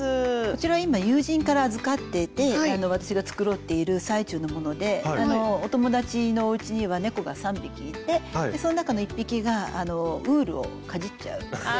こちら今友人から預かってて私が繕っている最中のものでお友達のおうちには猫が３匹いてその中の１匹がウールをかじっちゃう。